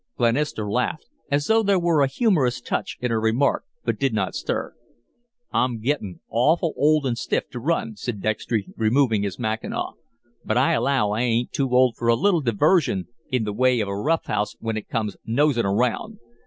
Glenister laughed, as though there were a humorous touch in her remark, but did not stir. "I'm gettin' awful old an' stiff to run," said Dextry, removing his mackinaw, "but I allow I ain't too old for a little diversion in the way of a rough house when it comes nosin' around."